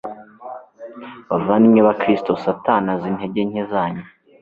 Bavandimwe Bakristo Satani azi intege nke zanyu